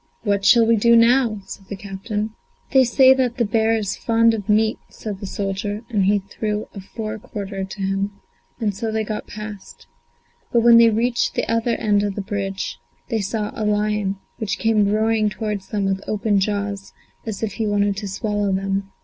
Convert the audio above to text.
"What shall we do now?" said the captain. "They say that the bear is fond of meat," said the soldier, and then he threw a fore quarter to him, and so they got past. But when they reached the other end of the bridge, they saw a lion, which came roaring towards them with open jaws as if he wanted to swallow them.